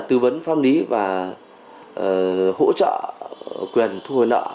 tư vấn pháp lý và hỗ trợ quyền thu hồi nợ